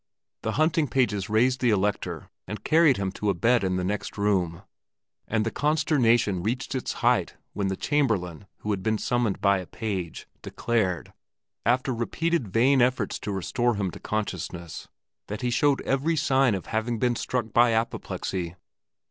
The hunting pages raised the Elector and carried him to a bed in the next room, and the consternation reached its height when the Chamberlain, who had been summoned by a page, declared, after repeated vain efforts to restore him to consciousness, that he showed every sign of having been struck by apoplexy.